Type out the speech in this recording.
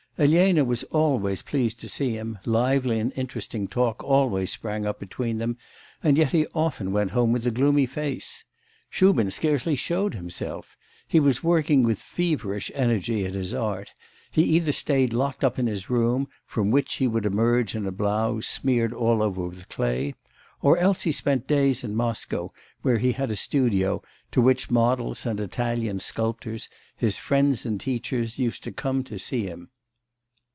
Elena was always pleased to see him, lively and interesting talk always sprang up between them, and yet he often went home with a gloomy face. Shubin scarcely showed himself; he was working with feverish energy at his art; he either stayed locked up in his room, from which he would emerge in a blouse, smeared all over with clay, or else he spent days in Moscow where he had a studio, to which models and Italian sculptors, his friends and teachers, used to come to see him.